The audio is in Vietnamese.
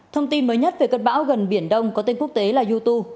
thông tin mới nhất về cơn bão gần biển đông có tên quốc tế là yutu